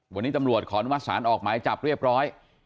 วันนี้ตำรวจเงาะสารออกหมายจับเรียบร้อย